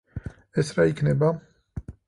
ეს რა იქნება?